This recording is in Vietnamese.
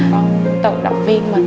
con tự động viên mình